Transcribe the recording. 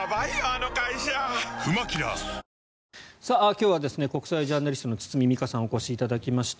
今日は国際ジャーナリストの堤未果さんにお越しいただきました。